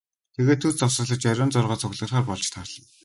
Тэгээд түр завсарлаж оройн зургаад цугларахаар болж тарлаа.